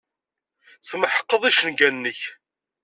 Tmeḥqeḍ icenga-nnek.